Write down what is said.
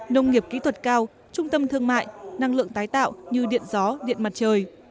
nông nghiệp kỹ thuật cao trung tâm thương mại năng lượng tái tạo như điện gió điện mặt trời